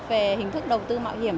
về hình thức đầu tư mạo hiểm